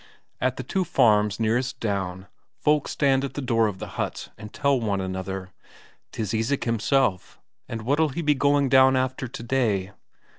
At the two farms nearest down, folk stand at the door of the huts and tell one another: "'Tis Isak himself; and what'll he be going down after today?"